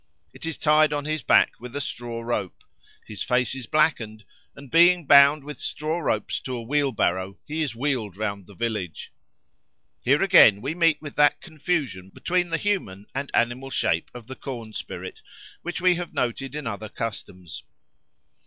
It is tied on his back with a straw rope; his face is blackened, and being bound with straw ropes to a wheelbarrow he is wheeled round the village. Here, again, we meet with that confusion between the human and animal shape of the corn spirit which we have noted in other customs.